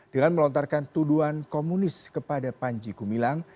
dengan melontarkan tuduhan komunis kepada panji gumilang